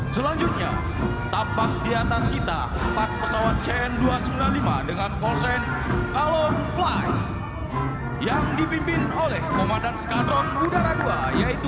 selanjutnya tampak di atas kita empat pesawat cn dua ratus sembilan puluh lima dengan konsen kalon fly yang dipimpin oleh komandan skadron udara dua yaitu